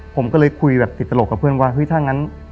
ผมก็เลยคุยแบบติดตลกกับเพื่อนว่าเฮ้ยถ้างั้น